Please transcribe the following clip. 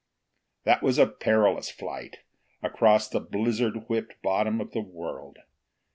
That was a perilous flight, across the blizzard whipped bottom of the world.